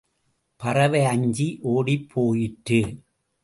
பறவை அஞ்சி ஓடிப்போயிற்று.